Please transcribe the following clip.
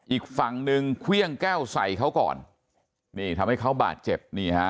อีกฝั่งหนึ่งเครื่องแก้วใส่เขาก่อนนี่ทำให้เขาบาดเจ็บนี่ฮะ